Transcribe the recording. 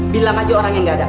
bilang aja orang yang gak ada